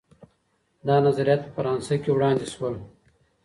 دا نظریات په فرانسه کي وړاندې سول.